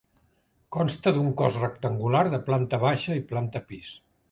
Consta d'un cos rectangular de planta baixa i planta pis.